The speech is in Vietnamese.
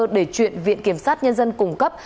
để chuyện viện kiểm sát nhân dân cùng cấp